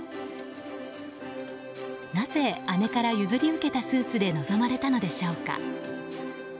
なぜ、姉から譲り受けたスーツで臨まれたのでしょうか。